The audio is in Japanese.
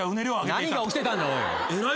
何が起きてたんだおい。